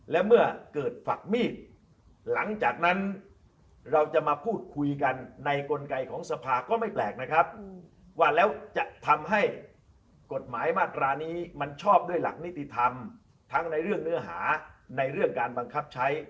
และเมื่อเกิดฝักมีดหลังจากนั้นเราจะมาพูดคุยกันในกลไกของสภาก็ไม่แปลกนะครับว่าแล้วจะทำให้กฎหมายมาตรานี้มันชอบด้วยหลักนิติธรรมทั้งในเรื่องเนื้อหาในเรื่องการบังคับใช้